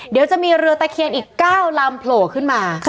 เดี๋ยวจะมีเรือตะเคียนอีก๙ลำโผล่ขึ้นมา